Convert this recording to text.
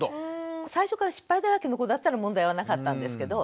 最初から失敗だらけの子だったら問題はなかったんですけど。